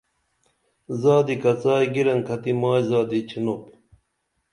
زادی کڅائی گِرن کھتی مائی زادی چِھنپ